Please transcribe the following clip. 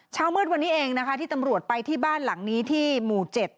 เช้ามืดวันนี้เองนะคะที่ตำรวจไปที่บ้านหลังนี้ที่หมู่๗